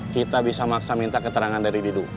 kita bisa maksa minta keterangan dari didu